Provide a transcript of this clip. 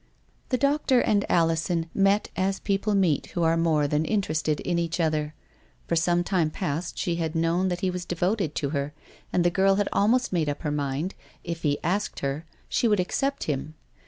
The doctor and Alison met as people meet who are more than interested in each other. For some time past she had known that he was devoted to her, and the girl had almost made up her mind, if he asked her, she would accept him.